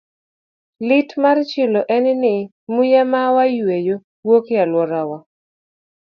Lit mar chilo en ni, muya ma wayueyo wuok e alworawa.